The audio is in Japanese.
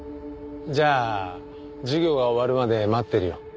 じゃあ授業が終わるまで待ってるよ。